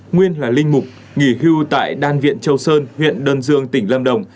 nguyên là linh mục nghỉ hưu tại đan viện châu sơn huyện đơn dương tỉnh lâm đồng